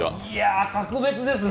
格別ですね。